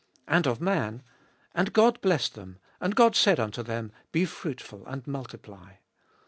And of man : And God blessed them, and God said unto them, Be fruitful and multiply.